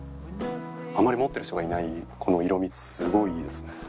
あまり持ってる人がいないこの色味すごいいいですね。